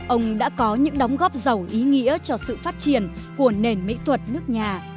ông đã có những đóng góp giàu ý nghĩa cho sự phát triển của nền mỹ thuật nước nhà